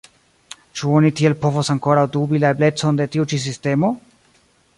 Ĉu oni tiel povos ankoraŭ dubi la eblecon de tiu ĉi sistemo?